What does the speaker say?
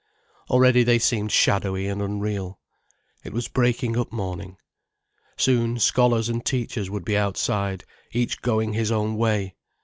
Already they seemed shadowy and unreal. It was breaking up morning. Soon scholars and teachers would be outside, each going his own way.